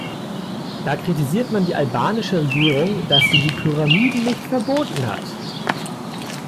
Da kritisiert man die albanische Regierung, dass sie die Pyramiden nicht verboten hat.